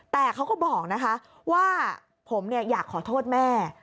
แต่เขาก็บอกนะคะว่าผมอยากขอโทษแม่